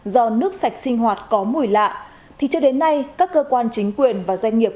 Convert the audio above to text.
do nước sạch sinh hoạt có mùi lạ thì cho đến nay các cơ quan chính quyền và doanh nghiệp